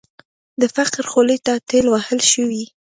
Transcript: د فقر خولې ته ټېل وهل شوې.